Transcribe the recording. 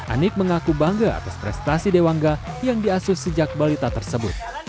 anik mengaku bangga atas prestasi dewangga yang diasus sejak balita tersebut